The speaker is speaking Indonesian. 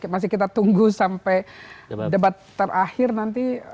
masih kita tunggu sampai debat terakhir nanti